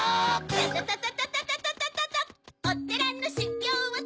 アタタタ。